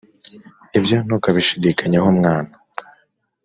ibyo ntukabishidikanyeho mwana